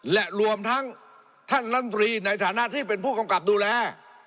และรวมทั้งท่านลำตรีในฐานะที่เป็นผู้กำกับดูแล